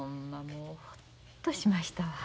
もうほっとしましたわ。